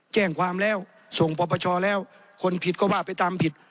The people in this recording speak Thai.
แจ้งความแล้วส่งปปชแล้วคนผิดก็ว่าไปตามผิด